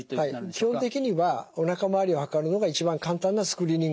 基本的にはおなか周りを測るのが一番簡単なスクリーニング方法ですね。